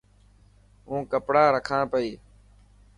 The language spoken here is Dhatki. هون ڪپڙا رکان پئي.